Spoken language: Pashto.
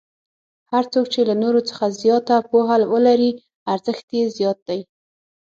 هر څوک چې له نورو څخه زیاته پوهه ولري ارزښت یې زیات دی.